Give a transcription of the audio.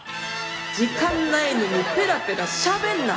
時間ないのにペラペラしゃべんな！